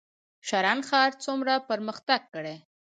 شرن ښار څومره پرمختګ کړی؟